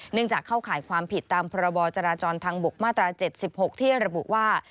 เนื่องจากเข้าข่ายความผิดตามพจทบมาตร๗๖ที่ระบุว่า